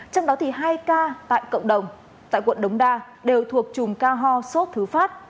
trong đó thì hai ca tại cộng đồng tại quận đống đa đều thuộc chùm ca ho sốt thứ phát